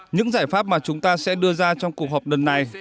những giải pháp mà chúng ta sẽ đưa ra trong cuộc họp lần này